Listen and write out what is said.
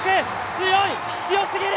強い、強すぎる！